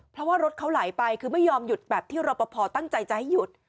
เพราะว่ารถเขาไหลไปคือไม่ยอมหยุดแบบที่รอปภตั้งใจจะให้หยุด